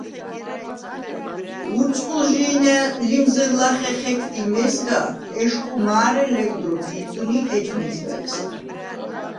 ურწყულჟი̄ნა̈ ლიმზჷრ ლახე ხექდი მეზგა, ეშხუ მა̄რე ლეგდ როქვ ირდვნი ეჯ მეზგაისგა.